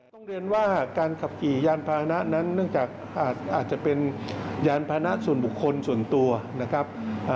ต้องเรียนว่าการขับขี่ยานพานะนั้นเนื่องจากอาจจะเป็นยานพานะส่วนบุคคลส่วนตัวนะครับ